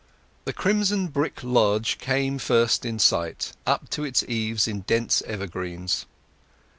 The crimson brick lodge came first in sight, up to its eaves in dense evergreens.